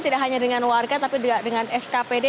tidak hanya dengan warga tapi juga dengan skpd